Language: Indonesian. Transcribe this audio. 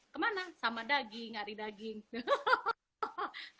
kemana sama daging nyari daging